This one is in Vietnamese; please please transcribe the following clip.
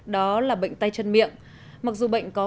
đó là bệnh tay chân miệng